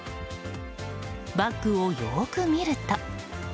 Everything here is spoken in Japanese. バッグをよく見ると。